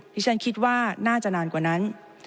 ที่ฉันคิดว่าน่าจะนานกว่านั้น